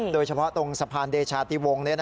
โดยเฉพาะตรงสะพานเดชาติวงศ์